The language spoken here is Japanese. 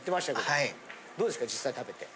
どうですか実際食べて。